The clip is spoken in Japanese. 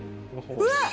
うわっ！